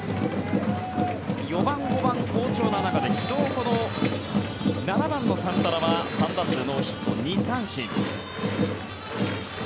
４番、５番、好調な中で昨日、７番のサンタナは３打数ノーヒット２三振。